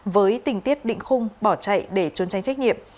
với tình tiết định khung bỏ chạy để trốn tránh trách nhiệm